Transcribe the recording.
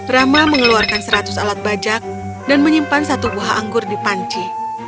rama mengeluarkan seratus alat bajak dan menyimpan satu buah anggur di panci